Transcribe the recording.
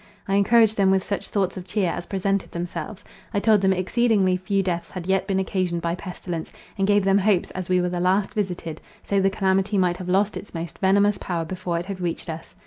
I encouraged them with such thoughts of cheer as presented themselves. I told them exceedingly few deaths had yet been occasioned by pestilence, and gave them hopes, as we were the last visited, so the calamity might have lost its most venomous power before it had reached us.